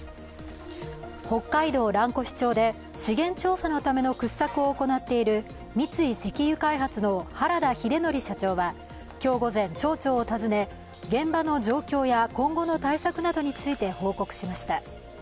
北海道蘭越町で資源調査のための掘削を行っている三井石油開発の原田英典社長は今日午前、町長を訪ね現場の状況や今後の対策などについて報告しました。